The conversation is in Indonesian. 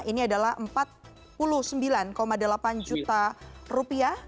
ini adalah empat puluh sembilan delapan juta rupiah